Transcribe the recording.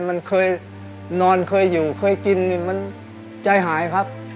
มันเคยนอนเคยอยู่เคยกินมันใจหายครับ